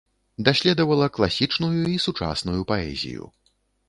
Даследавала класічную і сучасную паэзію.